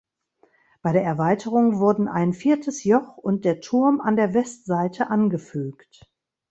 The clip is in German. Bei der Erweiterung wurden ein viertes Joch und der Turm an der Westseite angefügt.